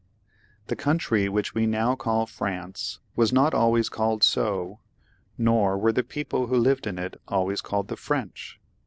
The country which we now call France was not always called so, nor were the people who live in it always called the French.